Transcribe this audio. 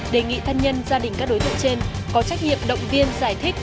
đề nghị thân nhân gia đình các đối tượng trên có trách nhiệm động viên giải thích